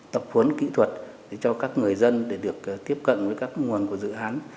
tập huấn kỹ thuật cho các người dân để được tiếp cận với các nguồn của dự án